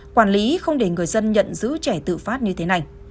quản lý không để người dân nhận giữ trẻ tự phát như thế này